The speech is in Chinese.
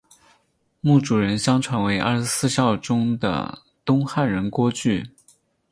墓主人相传为二十四孝中的东汉人郭巨。